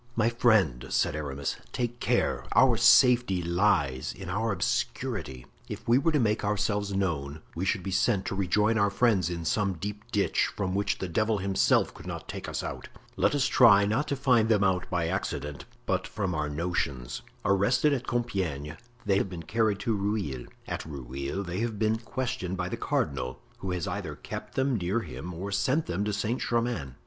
"My friend," said Aramis, "take care; our safety lies in our obscurity. If we were to make ourselves known we should be sent to rejoin our friends in some deep ditch, from which the devil himself could not take us out. Let us try not to find them out by accident, but from our notions. Arrested at Compiegne, they have been carried to Rueil; at Rueil they have been questioned by the cardinal, who has either kept them near him or sent them to Saint Germain.